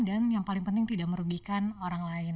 dan yang paling penting tidak merugikan orang lain